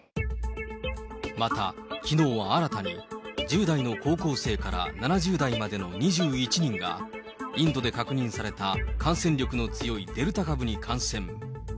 また、きのうは新たに１０代の高校生から７０代までの２１人が、インドで確認された感染力の強いデルタ株に感染。